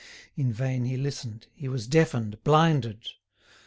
In vain he listened, he was deafened, blinded.